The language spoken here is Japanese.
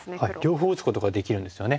両方打つことができるんですよね。